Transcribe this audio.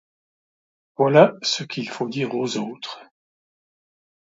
Voilà ce qu’il faut dire aux autres.